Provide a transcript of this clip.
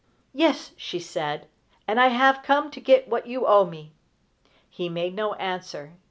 "Yes," she said, "and I have come to get what you owe me." He made no answer.